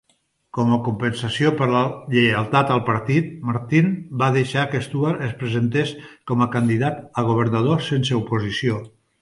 Com a compensació per la lleialtat al partit, Martin va deixar que Stuart es presentés com a candidat a governador sense oposició.